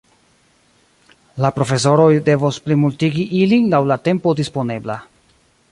La profesoroj devos plimultigi ilin laŭ la tempo disponebla.